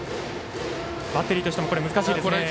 バッテリーとしても難しいですね。